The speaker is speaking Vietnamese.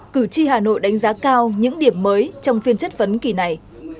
cử tri hà nội đánh giá cao những điểm mới trong phiên chất vấn kỳ này